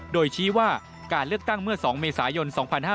โดยชี้ว่าการเลือกตั้งเมื่อ๒เมษายน๒๕๕๙